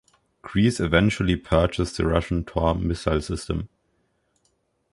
Greece eventually purchased the Russian Tor missile system.